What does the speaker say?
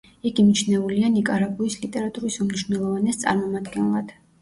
იგი მიჩნეულია ნიკარაგუის ლიტერატურის უმნიშვნელოვანეს წარმომადგენლად.